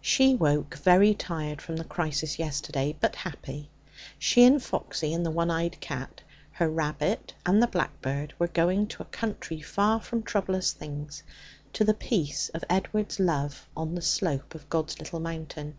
She awoke very tired from the crisis yesterday, but happy. She and Foxy and the one eyed cat, her rabbit, and the blackbird, were going to a country far from troublous things, to the peace of Edward's love on the slope of God's Little Mountain.